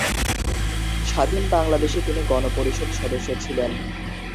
স্বাধীন বাংলাদেশে তিনি গণপরিষদ সদস্য ছিলেন।